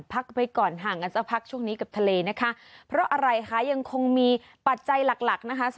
พักไว้ก่อนห่างกันสักพักช่วงนี้กับทะเลนะคะเพราะอะไรคะยังคงมีปัจจัยหลักหลักนะคะ